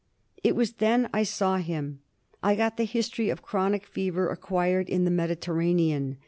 It was then I saw him. I got the history of chronic fever acquired in the Mediterranean.